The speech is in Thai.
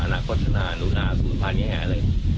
อนาคตข้างหน้านูนาสูญพันธุ์ยังไงเลย